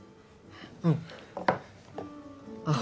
うんあっ